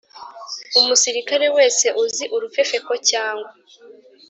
Umusirikare wese uzi urufefeko cyangwa